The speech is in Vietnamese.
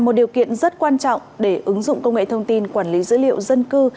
một điều kiện rất quan trọng để ứng dụng công nghệ thông tin quản lý dữ liệu dân cư